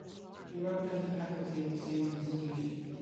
He worked on the faculty at the same institution.